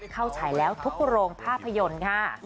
ฉายแล้วทุกโรงภาพยนตร์ค่ะ